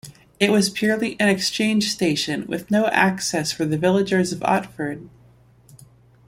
It was purely an exchange station, with no access for the villagers of Otford.